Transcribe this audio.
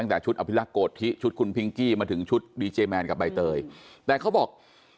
จากชุดอภิรักษ์โกธิชุดคุณพิงกี้มาถึงชุดดีเจแมนกับใบเตยแต่เขาบอก